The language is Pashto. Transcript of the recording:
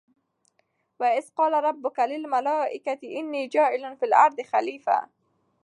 وَإِذْ قَالَ رَبُّكَ لِلْمَلٰٓئِكَةِ إِنِّى جَاعِلٌ فِى الْأَرْضِ خَلِيفَةً ۖ